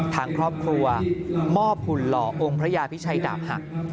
ทางครอบครัวมอบหุ่นหล่อองค์พระยาพิชัยดาบหัก